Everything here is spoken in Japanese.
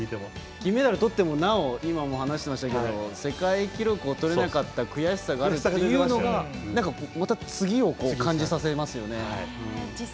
金メダルとってもなお今、話してましたけど世界記録をとれなかった悔しさがあるというのがまた次を感じさせますよね。